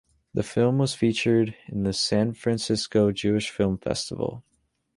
The film was featured in the San Francisco Jewish Film Festival.